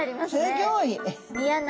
すギョい！